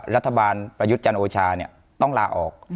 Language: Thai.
รัฐบาลประยุทธ์จันทร์โอชาเนี่ยต้องลาออก